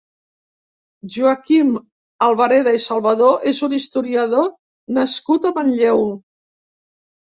Joaquim Albareda i Salvadó és un historiador nascut a Manlleu.